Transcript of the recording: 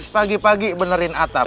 pagi pagi benerin atap